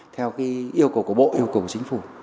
theo yêu cầu của bộ yêu cầu của chính phủ